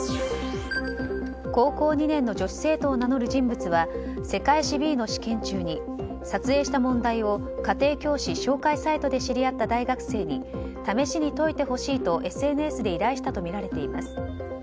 高校２年の女子生徒を名乗る人物は世界史Ｂの試験中に撮影した問題を家庭教師紹介サイトで知り合った大学生に試しに解いてほしいとＳＮＳで依頼したとみられています。